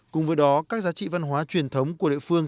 cùng với đó các giá trị văn hóa truyền thống của địa phương